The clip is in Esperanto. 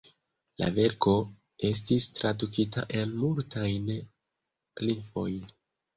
La verko estis tradukita en multajn lingvojn.